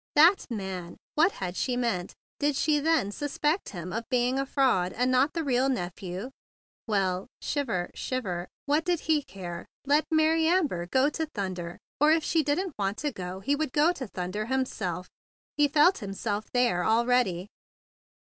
"That man!" What had she meant? Did she, then, suspect him of being a fraud and not the real nephew? Well— shiver, shiver—what did he care? Let Mary Amber go to thunder! Or, if she didn't want to go, he would go to thunder himself. He felt himself there already.